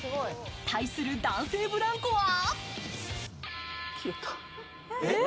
対する男性ブランコは？